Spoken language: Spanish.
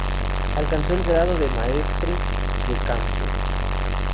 Alcanzó el grado de maestre de campo.